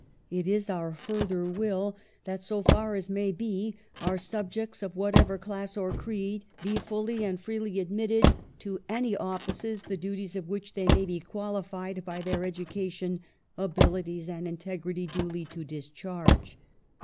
It is our further will that, so far as may be, our subjects, of whatever class or creed, be fully and freely admitted to any offices the duties of which they may be qualified by their education, abilities, and integrity duly to discharge."